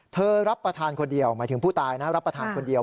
รับประทานคนเดียวหมายถึงผู้ตายนะรับประทานคนเดียว